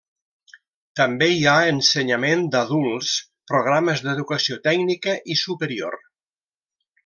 També hi ha ensenyament d'adults, programes d'educació tècnica i superior.